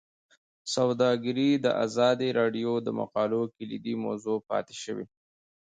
سوداګري د ازادي راډیو د مقالو کلیدي موضوع پاتې شوی.